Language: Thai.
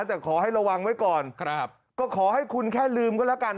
แต่ขอให้ระวังไว้ก่อนครับก็ขอให้คุณแค่ลืมก็แล้วกัน